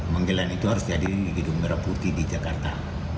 menggalan itu harus jadi di gedung merah putih di jakarta